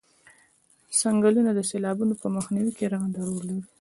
څنګلونه د سیلابونو په مخنیوي کې رغنده رول لري